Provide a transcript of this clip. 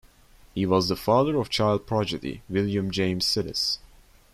He was the father of child prodigy William James Sidis.